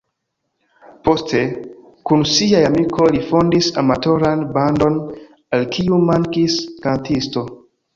Poste, kun siaj amikoj, li fondis amatoran bandon, al kiu mankis kantisto.